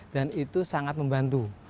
dan itu sangat membantu